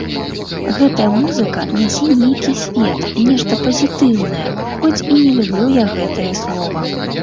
Гэтая музыка нясе нейкі свет, нешта пазітыўнае, хоць і не люблю я гэтае слова.